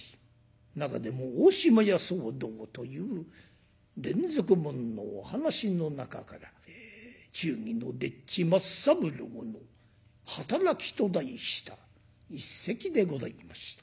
中でも「大島屋騒動」という連続物のお噺の中から「忠義の丁稚松三郎の働き」と題した一席でございました。